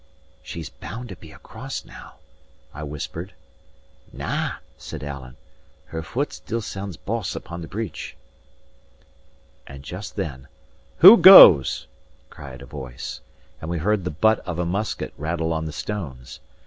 "She's bound to be across now," I whispered. "Na," said Alan, "her foot still sounds boss* upon the bridge." * Hollow. And just then "Who goes?" cried a voice, and we heard the butt of a musket rattle on the stones.